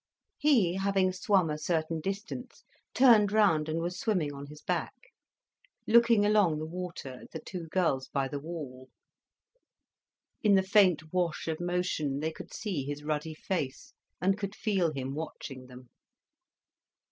He, having swum a certain distance, turned round and was swimming on his back, looking along the water at the two girls by the wall. In the faint wash of motion, they could see his ruddy face, and could feel him watching them.